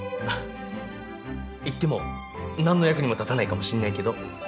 行ってもなんの役にも立たないかもしれないけど。